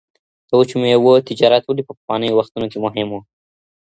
د وچو مېوو تجارت ولي په پخوانیو وختونو کي مهم و؟